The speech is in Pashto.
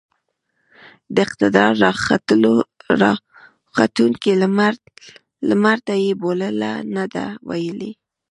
د اقتدار راختونکي لمرته يې بولـله نه ده ويلې.